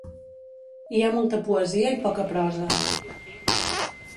Hi ha molta poesia i poca prosa.